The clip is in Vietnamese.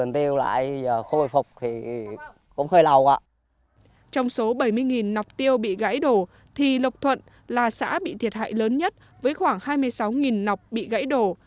trong số bảy mươi nọc tiêu bị gãy đổ thì lộc thuận là xã bị thiệt hại lớn nhất với khoảng hai mươi sáu nọc bị gãy đổ